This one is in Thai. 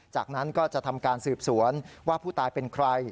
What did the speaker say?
จากนั้นก็จะทำการสืบสวนว่าผู้ตายเป็นใคร